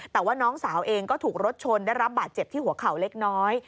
แต่ว่าน้องสาวเองก็ถูกรถชนได้รับบาดเจ็บที่หัวเข่าเล็กน้อย